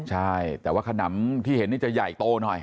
ใช่แต่ว่าขนำที่เห็นนี่จะใหญ่โตหน่อย